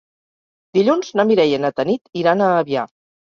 Dilluns na Mireia i na Tanit iran a Avià.